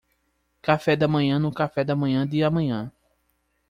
Café da manhã no café da manhã de amanhã